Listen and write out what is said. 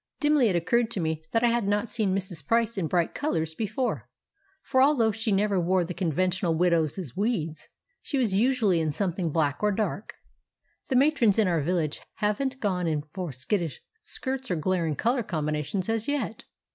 Dimly it occurred to me that I had not seen Mrs. Price in bright colours before, for although she never wore the conventional widow's weeds, she was usually in something black or dark; the matrons in our village haven't gone in for skittish skirts or glaring colour combinations as yet!